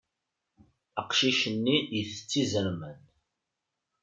Aqcic-nni itett izerman.